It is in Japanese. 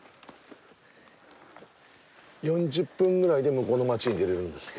４０分ぐらいで向こうの町に出れるんですって。